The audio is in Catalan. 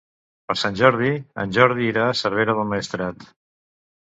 Per Sant Jordi en Jordi irà a Cervera del Maestrat.